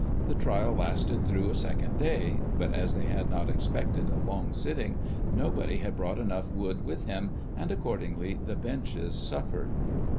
The trial lasted through a second day, but as they had not ex pected a long sitting nobody had brought enough wood with him, and accordingly the benches suffered.